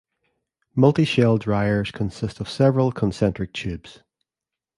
Multi-shell dryers consist of several concentric tubes.